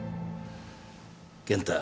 健太。